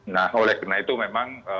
nah oleh karena itu memang